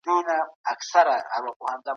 ایا نوي کروندګر پسته ساتي؟